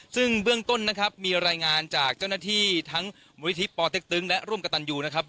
ซึ่งเบื้องต้นนะครับมีรายงานจากเจ้าหน้าที่ทั้งมูลนิธิปอเต็กตึงและร่วมกับตันยูนะครับ